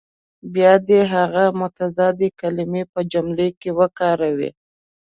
بیا دې هغه متضادې کلمې په جملو کې وکاروي.